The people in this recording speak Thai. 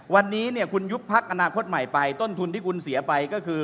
วันนี้เนี่ยคุณยุบพักอนาคตใหม่ไปต้นทุนที่คุณเสียไปก็คือ